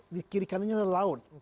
di kiri kanannya ada laut